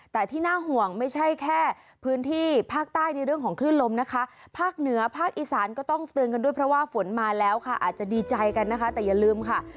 แต่ที่น่าห่วงไม่ใช่แค่พื้นที่ภาคใต้ในเรื่องของคลื่นลมนะคะภาคเหนือภาคอีสานก็ต้องเตือนกันด้วยเพราะว่าฝนมาแล้วค่ะอาจจะดีใจกันนะคะแต่อย่าลืมค่ะ